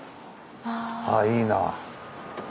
ああいいな。